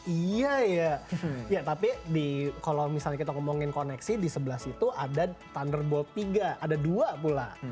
iya iya tapi kalau misalnya kita ngomongin koneksi di sebelah situ ada thunderball tiga ada dua pula